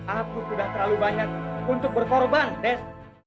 aku sudah terlalu banyak untuk berkorban des